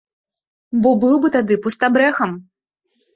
Бо быў бы тады пустабрэхам.